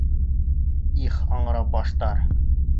— Их, аңра баштар.